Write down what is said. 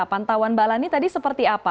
pantauan mbak lani tadi seperti apa